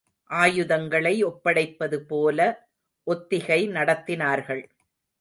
ஆயுதங்களை ஒப்படைப்பதுபோல ஒத்திகை நடத்தினார்கள்.